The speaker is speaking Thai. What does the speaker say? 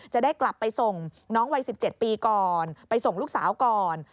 จะได้กลับไปส่งน้องวัย๑๗ปีก่อนไปส่งลูกสาวก่อน